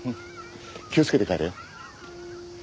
気をつけて帰れよ。